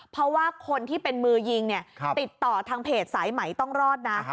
เพราะว่าคนที่เป็นมือยิงเนี่ยติดต่อทางเพจสายไหมต้องรอดนะ